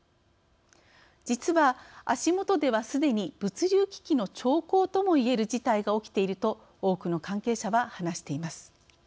実は足元ではすでに物流危機の兆候ともいえる事態が起きていると多くの関係者は話しています。